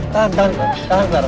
tahan raja tahan gara